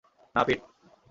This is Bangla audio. না, পিট!